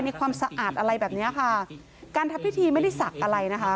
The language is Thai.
ความสะอาดอะไรแบบเนี้ยค่ะการทำพิธีไม่ได้ศักดิ์อะไรนะคะ